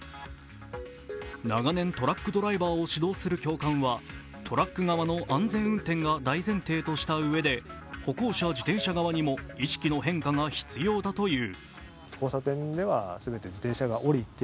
長年トラックドライバーを指導する教官はトラック側の安全運転が大前提としたうえで、歩行者、自転車側にも意識の変化が必要だという。